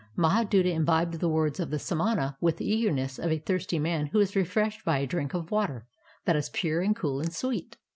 Mahaduta imbibed the words of the samana with the eagerness of a thirsty man who is refreshed by a drink of water that is pure and cool and sweet.